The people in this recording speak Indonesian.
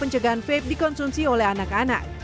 pencegahan vape dikonsumsi oleh anak anak